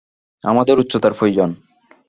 আমাদের উচ্চতার প্রয়োজন।